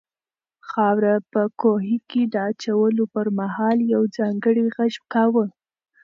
خاوره په کوهي کې د اچولو پر مهال یو ځانګړی غږ کاوه.